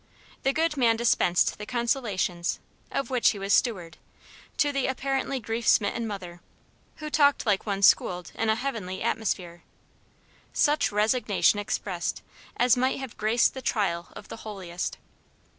The good man dispensed the consolations, of which he was steward, to the apparently grief smitten mother, who talked like one schooled in a heavenly atmosphere. Such resignation expressed, as might have graced the trial of the holiest.